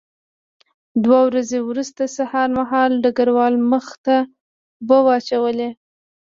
دوه ورځې وروسته سهار مهال ډګروال مخ ته اوبه واچولې